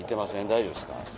大丈夫ですか？